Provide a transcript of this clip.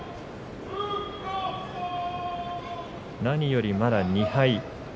何よりまだ２敗。